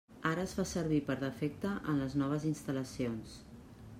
Ara es fa servir per defecte en les noves instal·lacions.